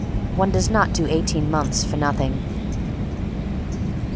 One does not do eighteen months for nothing.